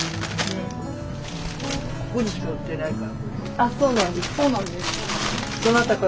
あっそうなんですか？